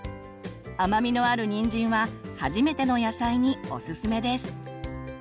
甘みのあるにんじんは初めての野菜におすすめです。